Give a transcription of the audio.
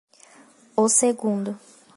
O segundo.